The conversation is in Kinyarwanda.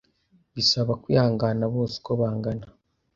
bisaba kwihangana bose uko bangana